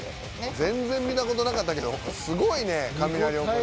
全然見たことなかったけどスゴいね雷おこし。